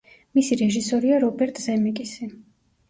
მისი რეჟისორია რობერტ ზემეკისი.